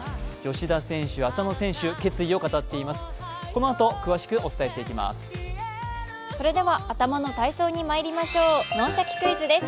吉田選手、浅野選手、決意を語っております。